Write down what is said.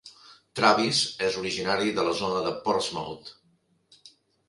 Traviss és originari de la zona de Portsmouth.